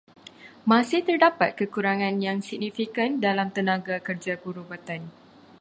Masih terdapat kekurangan yang signifikan dalam tenaga kerja perubatan.